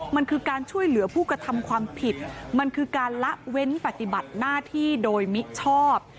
มันคือการช่วยเหลือผู้กระทำความผิดมันคือการละเว้นปฏิบัติหน้าที่โดยมิชอบ